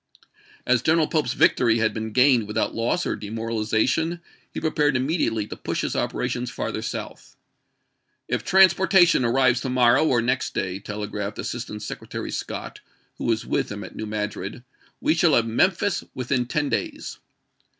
As Greneral Pope's victory had been gained with out loss or demoralization, he prepared immediately to push his operations farther south. " If trans portation arrives to morrow or next day," tele graphed Assistant Secretary Scott, who was with him at New Madrid, "we shall have Memphis with in ten days."